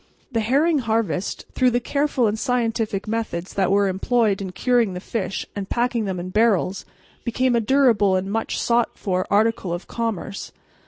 The herring harvest, through the careful and scientific methods that were employed in curing the fish and packing them in barrels, became a durable and much sought for article of commerce.